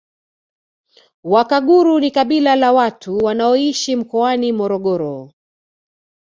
Wakaguru ni kabila la watu wanaoishi mkoani Morogoro